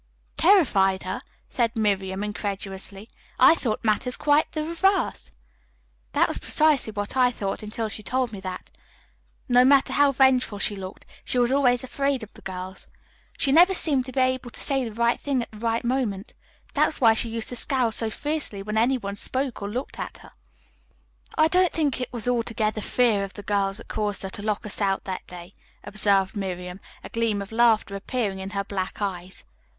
"Terrified her," said Miriam incredulously. "I thought matters quite the reverse." "That was precisely what I thought until she told me that, no matter how vengeful she looked, she was always afraid of the girls. She never seemed to be able to say the right thing at the right moment. That was why she used to scowl so fiercely when any one spoke or looked at her." "I don't think it was altogether fear of the girls that caused her to lock us out that day," observed Miriam, a gleam of laughter appearing in her black eyes.